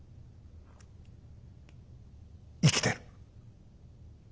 生きてる。